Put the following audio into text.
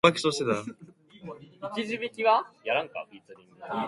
Forest has a high school, North Lambton Secondary School.